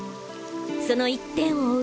その１点を追う